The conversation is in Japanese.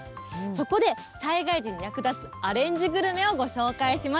そこで、災害時に役立つアレンジグルメをご紹介します。